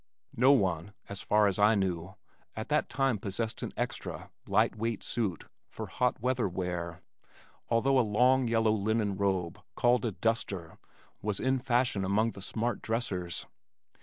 No one, so far as I knew, at that time possessed an extra, light weight suit for hot weather wear, although a long, yellow, linen robe called a "duster" was in fashion among the smart dressers.